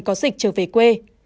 có dịch trở về quê